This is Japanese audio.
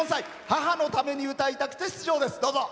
母のために歌いたくて出場です。